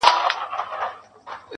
د ژوند په څو لارو كي_